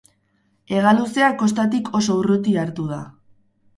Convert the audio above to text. Hegaluzea kostatik oso urruti hartu da.